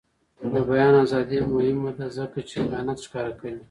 د بیان ازادي مهمه ده ځکه چې خیانت ښکاره کوي.